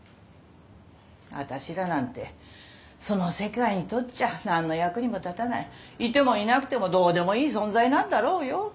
私らなんてその世界にとっちゃ何の役にも立たないいてもいなくてもどうでもいい存在なんだろうよ。